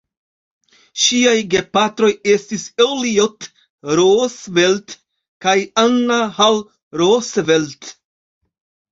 Ŝiaj gepatroj estis Elliott Roosevelt kaj Anna Hall Roosevelt.